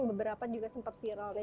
beberapa juga sempat viral